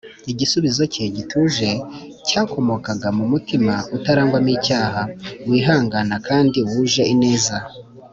igisubizo cye gituje cyakomokaga mu mutima utarangwamo icyaha, wihangana kandi wuje ineza